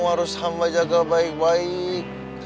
harus hamba jaga baik baik